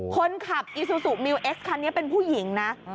คนขับอีซูซูมิวเอ็กซคันนี้เป็นผู้หญิงนะ